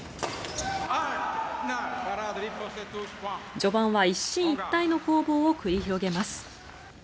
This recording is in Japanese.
序盤は一進一退の攻防を繰り広げます。